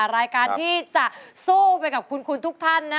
รายการที่จะสู้ไปกับคุณทุกท่านนะ